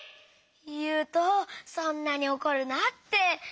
ゆうとそんなにおこるなって。